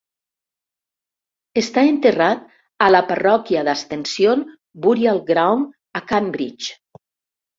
Està enterrat a la Parròquia d"Ascension Burial Ground a Cambridge.